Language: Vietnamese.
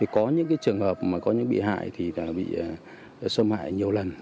có những trường hợp bị hại thì bị xâm hại nhiều lần